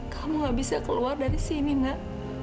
kamu gak bisa keluar dari sini mbak